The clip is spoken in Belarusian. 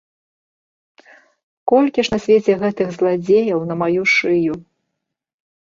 Колькі ж на свеце гэтых зладзеяў на маю шыю!